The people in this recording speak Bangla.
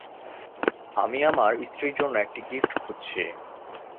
আমি আমার স্ত্রীএর জন্য একটা গিফট খুজছি।